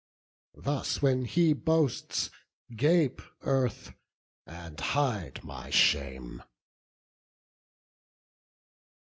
Thus when he boasts, gape earth, and hide my shame!"